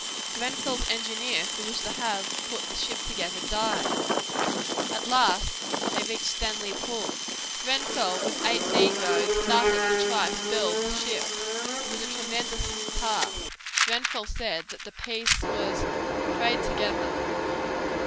Grenfell's engineer, who was to have put the ship together, died. At last they reached Stanley Pool. Grenfell with eight negroes started to try to build the ship. It was a tremendous task. Grenfell said the Peace was "prayed together."